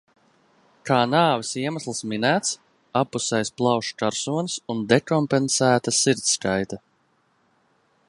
"Kā nāves iemesls minēts "abpusējs plaušu karsonis un dekompensēta sirdskaite"."